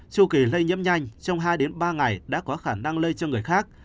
châu kỳ lây nhiễm nhanh trong hai ba ngày đã có khả năng lây cho người khác